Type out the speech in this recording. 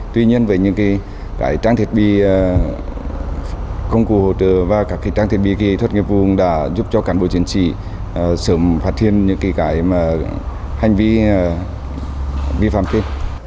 tuy nhiên với những cái cái trang thiết bị công cụ hỗ trợ và các cái trang thiết bị kỹ thuật nghiệp vùng đã giúp cho cản bộ chiến sĩ sớm phát hiện những cái cái mà hành vi vi phạm kết